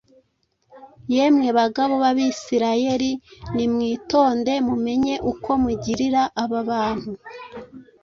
Yemwe bagabo b’Abisirayeli, nimwitonde mumenye uko mugirira aba bantu.